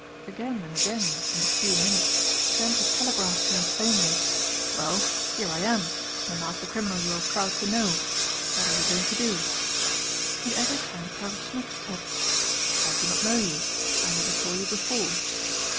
Again and again in the few minutes Trent had telegraphed to him plainly, "Well, here I am, the master criminal you were proud to know, what are you going to do?" And every time Private Smith had said, "I do not know you. I never saw you before."